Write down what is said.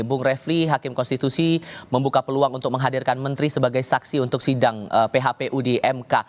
bung refli hakim konstitusi membuka peluang untuk menghadirkan menteri sebagai saksi untuk sidang phpu di mk